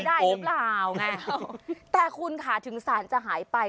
ว่าถ้างบนจะช่วยได้หรือเปล่าแต่คุณค่ะถึงสารจะหายไป